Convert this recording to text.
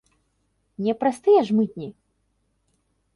Не праз тыя ж мытні?